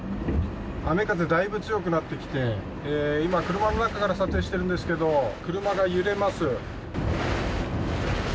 雨風、だいぶ強くなってきて今、車の中から撮影しているんですが車が揺れます。